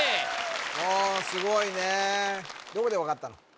ああすごいねどこで分かったの？